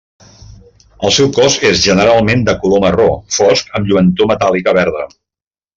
El seu cos és generalment de color marró fosc amb lluentor metàl·lica verda.